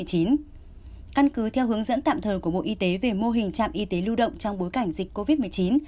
căn cứ theo hướng dẫn tạm thời của bộ y tế về mô hình trạm y tế lưu động trong bối cảnh dịch covid một mươi chín